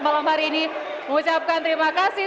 malam hari ini mengucapkan terima kasih